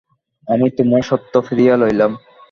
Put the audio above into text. আমি তোমার সত্য ফিরাইয়া লইলাম।